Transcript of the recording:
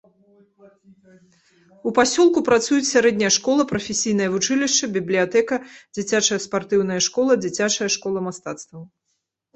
У пасёлку працуюць сярэдняя школа, прафесійнае вучылішча, бібліятэка, дзіцячая спартыўная школа, дзіцячая школа мастацтваў.